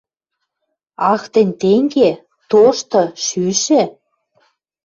— Ах, тӹнь тенге? Тошты — шӱшӹ?